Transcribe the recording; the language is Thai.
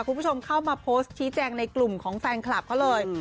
คุณผู้ชมเข้ามาโพสต์ชี้แจงในกลุ่มของแฟนคลับเขาเลย